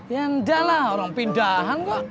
ya enggak lah orang pindahan kok